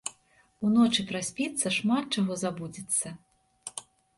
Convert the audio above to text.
Уночы праспіцца, шмат чаго забудзецца.